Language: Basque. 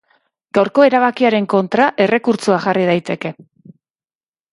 Gaurko erabakiaren kontra errekurtsoa jarri daiteke.